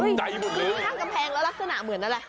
ขึ้นข้างกำแพงแล้วลักษณะเหมือนอะไร